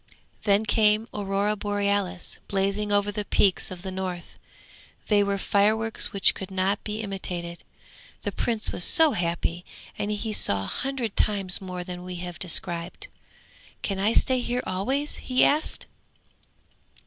Then came the Aurora Borealis blazing over the peaks of the north; they were fireworks which could not be imitated. The Prince was so happy, and he saw a hundred times more than we have described. 'Can I stay here always?' he asked.